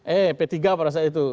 eh p tiga pada saat itu